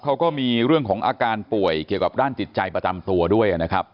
เขาก็มีเรื่องของอาการป่วยเกี่ยวกับด้านจิตใจประจำตัวด้วยนะครับ